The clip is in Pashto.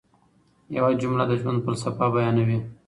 یوه جمله د ژوند فلسفه بیانوي.